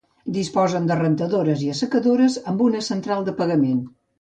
Disposen de rentadores i assecadores amb una central de pagament.